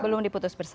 belum diputus bersalah